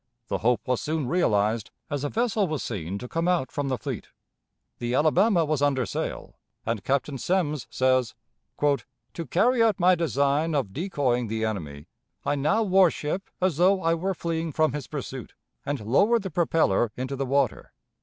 The hope was soon realized, as a vessel was seen to come out from the fleet. The Alabama was under sail, and Captain Semmes says: "To carry out my design of decoying the enemy, I now wore ship as though I were fleeing from his pursuit, and lowered the propeller into the water.